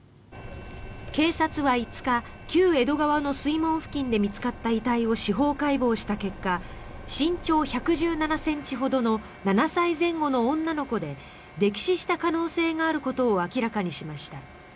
警察は５日旧江戸川の水門付近で見つかった遺体を司法解剖した結果身長１１７ｃｍほどの７歳前後の女の子で溺死した可能性があることを明らかにしました。